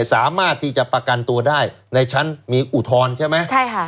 สามารถที่จะประกันตัวได้ในชั้นมีอุทธรณ์ใช่ไหมใช่ค่ะ